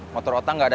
motor otang gak ada